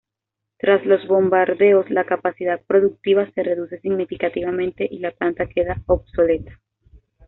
Tras los bombardeos la capacidad productiva se reduce significativamente y la planta queda obsoleta.